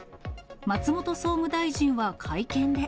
松本総務大臣は会見で。